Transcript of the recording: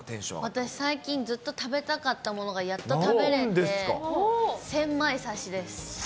私、最近、やっと食べたかったものがやっと食べれて、センマイ刺しです。